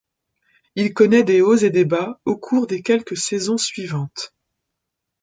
Il connaît des hauts et des bas au cours des quelques saisons suivantes.